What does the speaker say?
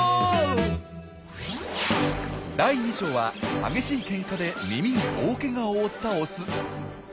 第２章は激しいケンカで耳に大ケガを負ったオス。